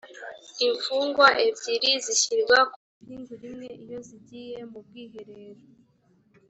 imfungwa ebyiri zishyirwa ku ipingu rimwe iyo zigiye mu bwiherero